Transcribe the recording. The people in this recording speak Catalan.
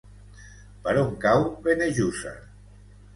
Per on cau Benejússer?